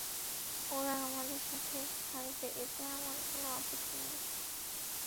ওরা আমাদের সাথে থাকবে এতে আমার কোন আপত্তি নেই।